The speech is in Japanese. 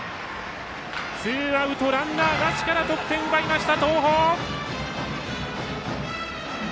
ツーアウト、ランナーなしから得点奪いました、東邦！